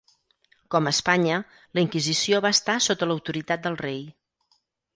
Com a Espanya, la Inquisició va estar sota l'autoritat del rei.